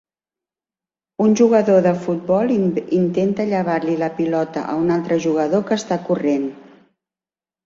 Un jugador de futbol intenta llevar-li la pilota a un altre jugador que està corrent.